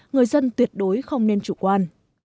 người dân tuyệt đối không nên chủ quan